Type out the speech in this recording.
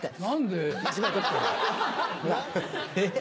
何で？